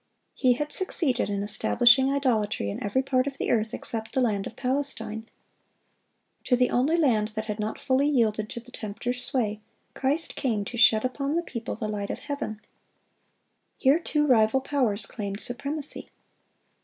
He had succeeded in establishing idolatry in every part of the earth except the land of Palestine. To the only land that had not fully yielded to the tempter's sway, Christ came to shed upon the people the light of heaven. Here two rival powers claimed supremacy.